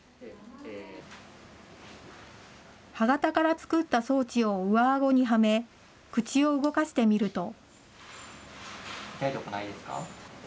歯型から作った装置を上あごにはめ、口を動かしてみると。